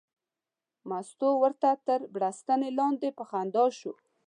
مستو ورته تر بړستنې لاندې په خندا شوه.